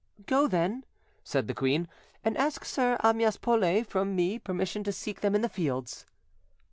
"Go, then," said the queen, "and ask Sir Amyas Paulet from me permission to seek them in the fields."